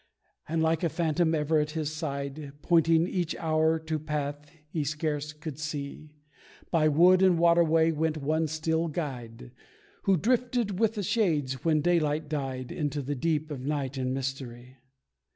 And like a phantom ever at his side Pointing each hour to paths he scarce could see, By wood and waterway, went one still guide, Who drifted with the shades, when daylight died, Into the deep of night, and mystery.